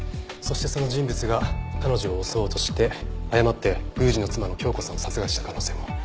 そしてその人物が彼女を襲おうとして誤って宮司の妻の教子さんを殺害した可能性も。